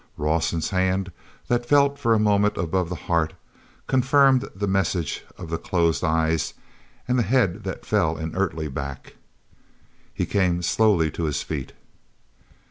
Rawson's hand that felt for a moment above the heart, confirmed the message of the closed eyes and the head that fell inertly back. He came slowly to his feet.